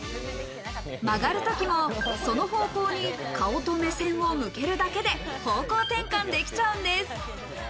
曲がる時もその方向に顔と目線を向けるだけで方向転換できちゃうんです。